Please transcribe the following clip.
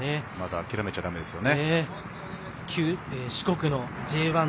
諦めちゃだめですね。